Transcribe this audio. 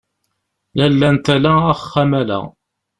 Lalla n tala axxam ala.